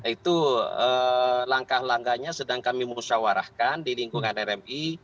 itu langkah langkahnya sedang kami musyawarahkan di lingkungan rmi